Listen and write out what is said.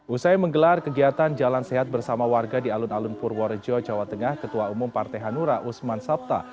usai menggelar kegiatan jalan sehat bersama warga di alun alun purworejo jawa tengah ketua umum partai hanura usman sabta